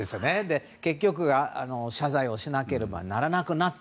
結局、謝罪をしなければならなくなった。